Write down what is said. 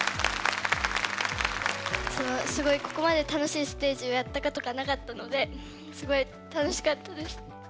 すごいここまで楽しいステージをやったことがなかったのですごい楽しかったです。